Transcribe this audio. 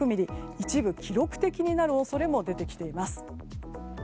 一部記録的になる恐れも出てきています。